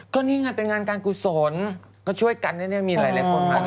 ก็นี่ไงเป็นงานการกุศลก็ช่วยกันแน่มีหลายคนมา